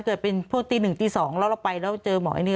เกิดเป็นพวกตี๑ตี๒แล้วเราไปแล้วเจอหมอไอ้นี่